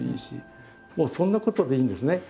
そんなことでいいんですね。